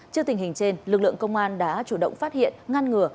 trước tình hình trên lực lượng công an đã chủ động phát hiện ngăn ngừa